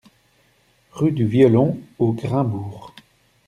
Rue du Violon au Grand-Bourg